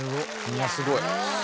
いやすごい。